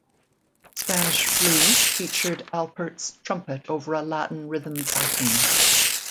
"Spanish Flea" featured Alpert's trumpet over a Latin rhythm backing.